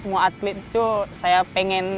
semua atlet itu saya pengen